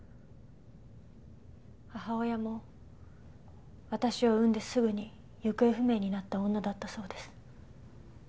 母親も私を産んですぐに行方不明になった女だったそうです。